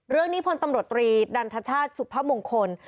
เรื่องนี้พลตำรวจรีดันทชาติสุภาพมงคล